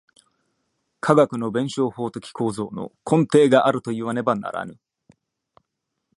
科学の弁証法的構造の根底があるといわねばならぬ。